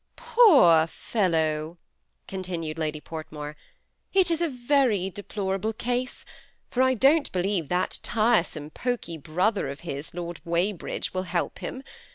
" Poor fellow !" continued Lady Portmore ;" it is a very deplorable case, for I don't believe that tiresome, poky brother of his. Lord Weybridge, will help him.